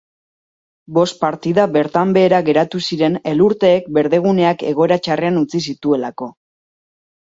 Bost partida bertan behera geratu ziren elurteek berdeguneak egoera txarrean utzi zituelako.